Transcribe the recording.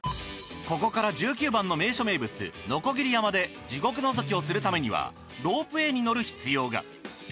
ここから１９番の名所名物のこぎり山で地獄のぞきをするためにはロープウェーに乗る必要が。